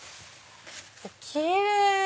キレイ！